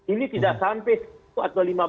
ini tidak sampai